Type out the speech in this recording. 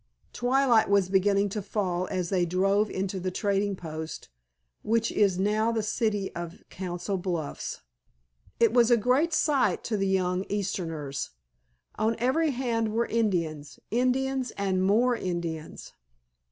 Twilight was beginning to fall as they drove into the trading post, which is now the city of Council Bluffs. It was a great sight to the young easterners. On every hand were Indians, Indians and more Indians.